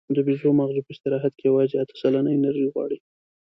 د بیزو ماغزه په استراحت کې یواځې اته سلنه انرژي غواړي.